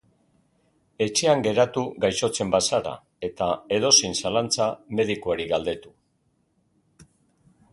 Etxean geratu gaixotzen bazara eta edozein zalantza medikuari galdetu.